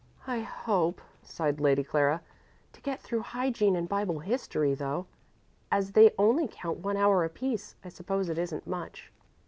"I hope," sighed Lady Clara, "to get through hygiene and Bible history, though, as they only count one hour apiece, I suppose it isn't much."